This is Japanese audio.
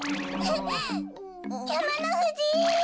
やまのふじ！